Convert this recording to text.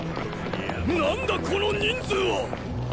何だこの人数は！